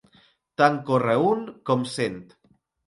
Tant corre un com cent.